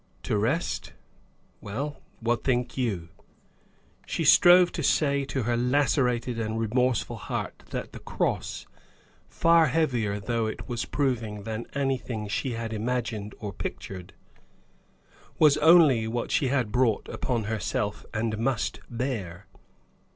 To rest? Well, what think you? She strove to say to her lacerated and remorseful heart that the cross far heavier though it was proving than anything she had imagined or pictured was only what she had brought upon herself, and must bear.